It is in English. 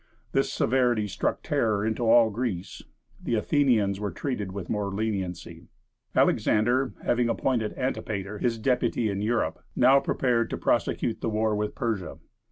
This severity struck terror into all Greece. The Athenians were treated with more leniency. Alexander, having appointed Antipater his deputy in Europe, now prepared to prosecute the war with Persia.